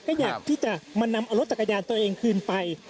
ก็อยากที่จะมานำเอารถจักรยานตัวเองคืนไป